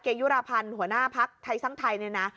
ยุราพันธ์หัวหน้าภักดิ์ไทยสร้างไทยเนี่ยนะ